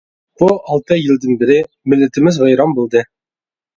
بۇ ئالتە يىلدىن بېرى، مىللىتىمىز ۋەيران بولدى.